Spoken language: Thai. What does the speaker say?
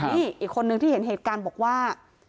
นี่อีกคนนึงที่เห็นเหตุการณ์บอกว่า